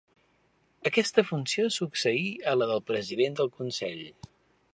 Aquesta funció succeí a la de president del Consell.